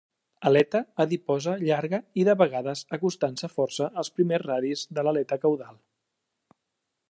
Aleta adiposa llarga i, de vegades, acostant-se força als primers radis de l'aleta caudal.